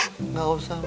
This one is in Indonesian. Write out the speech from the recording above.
enggak usah mi